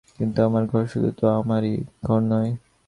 কিন্তু, আমার ঘর শুধু তো আমারই ঘর নয়।